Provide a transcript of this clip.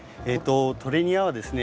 トレニアはですね